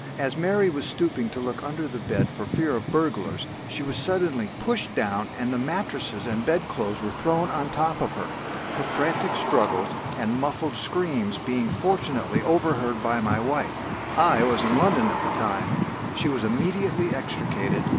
As Mary was stooping to look under the bed for fear of burglars, she was suddenly pushed down and the mattresses and bedclothes were thrown on the top of her. Her frantic struggles and muffled screams being, fortunately, overheard by my wife (I was in London at the time), she was immediately extricated.